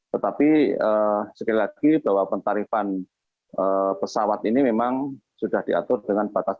tetapi sekali lagi bahwa pentarifan pesawat ini memang sudah diatur dengan batas